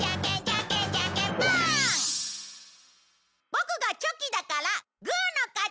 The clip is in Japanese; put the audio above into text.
ボクがチョキだからグーの勝ち！